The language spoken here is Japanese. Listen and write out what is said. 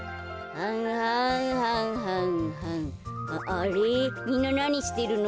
あれみんななにしてるの？